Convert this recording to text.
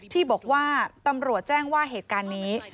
ที่บอกว่าตำรวจแจ้งว่าเหตุการณ์นี้